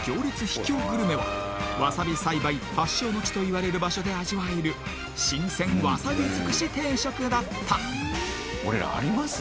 秘境グルメはわさび栽培発祥の地といわれる場所で味わえる新鮮わさびづくし定食だった俺らあります？